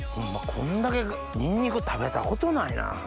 こんだけニンニク食べたことないな。